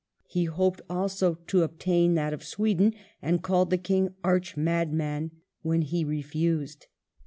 He hoped also to obtain that of Sweden, and called the King " arch madman " when he refused.